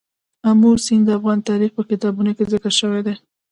آمو سیند د افغان تاریخ په کتابونو کې ذکر شوی دي.